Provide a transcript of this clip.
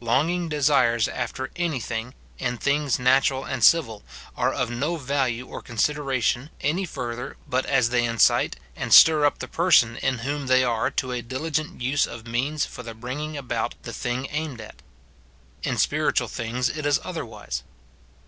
Longing desires after any thing, in things natural SIN IN BELIEVERS. 253 and civil, are of no value or coni^ideratlon, any further but as they incite and stir up the person in whom they are to a diligent use of means for the bringing about the thing aimed at. In spiritual things it is otherwise.